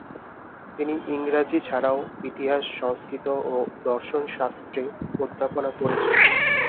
তিনি ইংরাজী ছাড়াও ইতিহাস, সংস্কৃত ও দর্শনশাস্ত্রে অধ্যাপনা করেছেন।